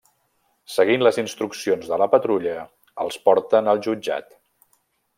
Seguint les instruccions de la Patrulla, els porten al jutjat.